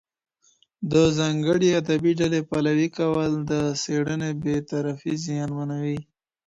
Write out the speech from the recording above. د ځانګړي ادبي ډلي پلوي کول د څېړني بې طرفي زیانمنوي.